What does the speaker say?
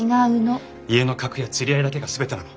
家の格や釣り合いだけが全てなの？